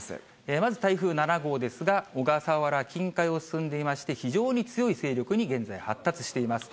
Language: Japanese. まず、台風７号ですが、小笠原近海を進んでいまして、非常に強い勢力に現在、発達しています。